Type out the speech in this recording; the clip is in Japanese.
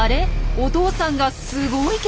お父さんがすごい剣幕！